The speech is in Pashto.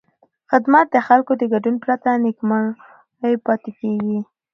خدمت د خلکو د ګډون پرته نیمګړی پاتې کېږي.